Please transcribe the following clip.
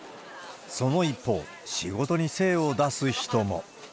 その一方、仕事に精を出す人も。